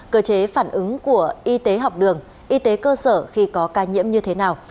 cơ chế phản ứng của y tế học đường y tế cơ sở khi có ca nhiễm như thế nào